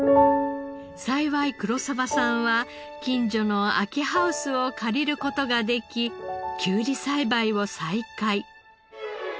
幸い黒澤さんは近所の空きハウスを借りる事ができきゅうり栽培を再開。